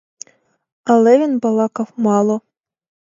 Але він балакав мало.